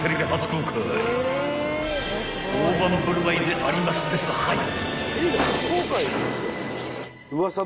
［大盤振る舞いでありますですはい］